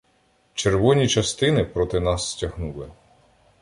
Червоні частини проти нас стягнули.